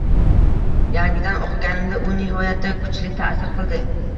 Yangidan o’qiganimda u nihoyatda kuchli ta’sir qildi…